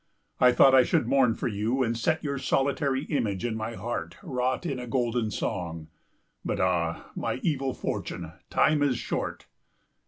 I thought I should mourn for you and set your solitary image in my heart wrought in a golden song. But ah, my evil fortune, time is short.